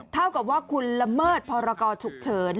เท่ากับว่าคุณละเมิดพรกรฉุกเฉิน